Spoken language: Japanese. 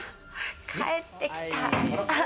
帰ってきた。